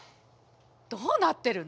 どうなってるの！？